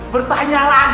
bertanya lagi bertanya lagi